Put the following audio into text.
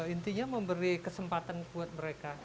intinya memberi kesempatan buat mereka